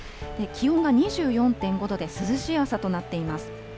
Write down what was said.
気温が２４．５度で涼しい朝となっています。